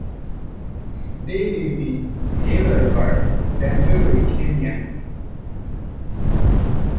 They live in Haller Park, Bamburi, Kenya.